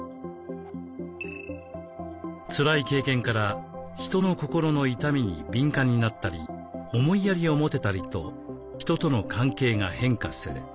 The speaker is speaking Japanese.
つらい経験から人の心の痛みに敏感になったり思いやりを持てたりと人との関係が変化する。